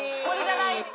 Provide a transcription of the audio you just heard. これじゃないＴ！